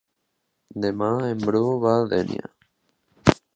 Demà en Bru va a Dénia.